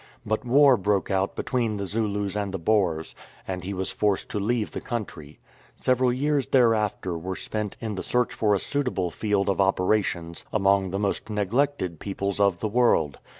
But war broke out between the Zulus and the Boers, and he was forced to leave the country. Several years thereafter were spent in the 243 ROMISH OPPOSITION search for a suitable field of operations among the most neglected peoples of the world.